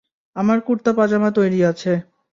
আমার কুর্তা পাজামা তৈরী আছে।